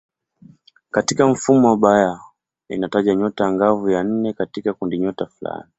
Katika mfumo wa Bayer inataja nyota angavu ya nne katika kundinyota fulani.